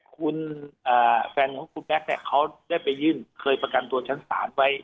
คุณแฟนของคุณแบ็คเนี่ยเขาได้ไปยื่นเคยประกันตัวชั้นศาลไว้